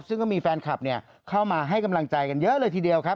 ซึ่งก็มีแฟนคลับเข้ามาให้กำลังใจกันเยอะเลยทีเดียวครับ